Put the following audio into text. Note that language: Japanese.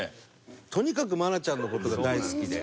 とにかく愛菜ちゃんの事が大好きで。